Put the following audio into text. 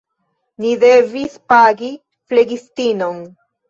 Ni devis pagi flegistinon.